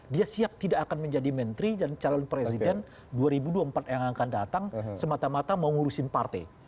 dia siap tidak akan menjadi menteri dan calon presiden dua ribu dua puluh empat yang akan datang semata mata mau ngurusin partai